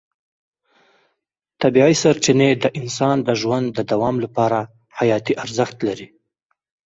طبیعي سرچینې د انسان د ژوند د دوام لپاره حیاتي ارزښت لري.